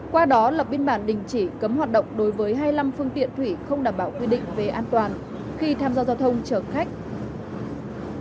qua đó lập biên bản đình chỉ cấm hoạt động đối với hai mươi năm phương tiện thủy không đảm bảo quy định về an toàn khi tham gia giao thông chở khách